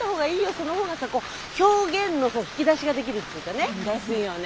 その方がさこう表現の引き出しが出来るっていうかね。ですよね。